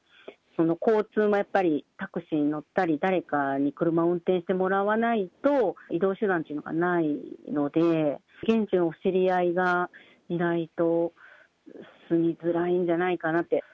交通もやっぱりタクシーに乗ったり、誰かに車を運転してもらわないと、移動手段っていうのがないので、現地の知り合いがいないと住みづらいんじゃないかなって。